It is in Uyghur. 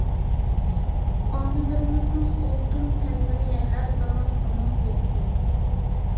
ئانىلىرىمىزنىڭ ئالتۇن تەنلىرى ھەر زامان ئامان بولسۇن!